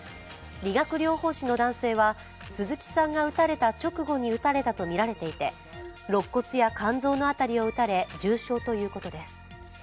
理学療法士の男性は鈴木さんが撃たれた直後に撃たれたとみられていてろっ骨や肝臓の辺りを撃たれ重症だということです。